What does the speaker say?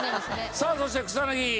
さあそして草薙。